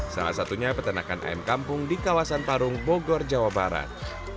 salah satunya peternakan ayam kampung di kawasan parung bogor jawa barat